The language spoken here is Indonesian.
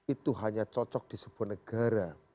itu hanya cocok di sebuah negara